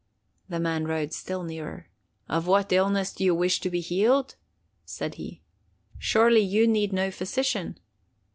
The man rode still nearer. 'Of what illness do you wish to be healed?' said he. 'Surely you need no physician!